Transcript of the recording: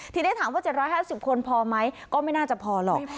ทีนี้ถามว่า๗๕๐คนพอไหมก็ไม่น่าจะพอหรอก